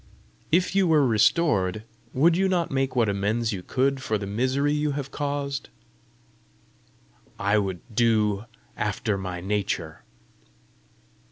"If you were restored, would you not make what amends you could for the misery you have caused?" "I would do after my nature."